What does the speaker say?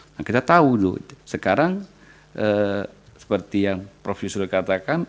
nah kita tahu dulu sekarang seperti yang prof yusril katakan